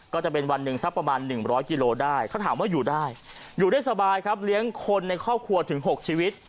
ก็จะเป็นวันหนึ่งสักประมาณ๑๐๐กิโลได้เขาถามว่าอยู่ได้อยู่ได้สบายครับเลี้ยงคนในครอบครัวถึง๖ชีวิต